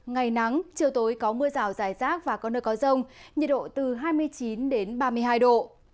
ngày nắng chiều tối có mưa rào dài rác và có nơi có rông nhiệt độ từ hai mươi chín ba mươi hai độ